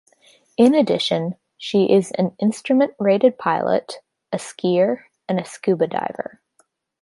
In addition, she is an instrument-rated pilot, a skier, and a scuba diver.